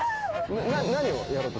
何をやろうと？